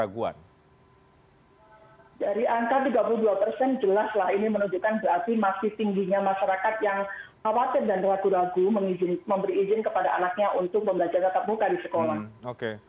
dari angka tiga puluh dua persen jelaslah ini menunjukkan berarti masih tingginya masyarakat yang khawatir dan ragu ragu memberi izin kepada anaknya untuk pembelajaran tetap muka di sekolah